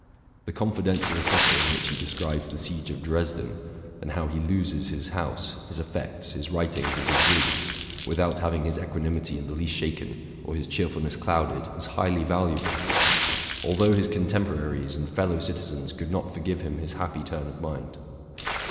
The confidential epistle in which he describes the siege of Dresden, and how he loses his house, his effects, his writ ings, and his wigs, without having his equanimity in the least shaken or his cheerfulness clouded, is highly valuable ; although his contemporaries and fellow citizens could not forgive him his happy turn of mind.